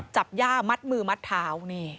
จับย่ามัดมือมัดเท้า